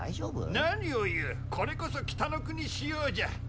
何を言うこれこそ北の国仕様じゃ。